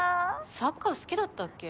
サッカー好きだったっけ？